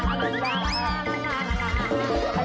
บ๊ายบายค่ะทุกคน